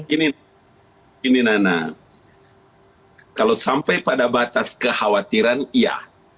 ini nana kalau sampai pada batas kekhawatiran iya